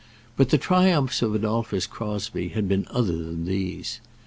But the triumphs of Adolphus Crosbie had been other than these.